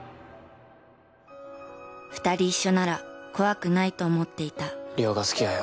二人一緒なら怖くないと思っていた梨央が好きやよ